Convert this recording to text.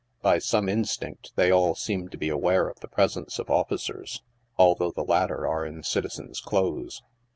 By some instinct, they all seem to be aware of the presence of officers, although the latter are in citizens' clothes.